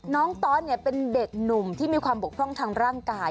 ตอสเป็นเด็กหนุ่มที่มีความบกพร่องทางร่างกาย